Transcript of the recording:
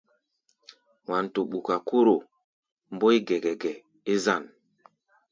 Wanto ɓuka Kóro Mbóe gɛgɛgɛ é zân.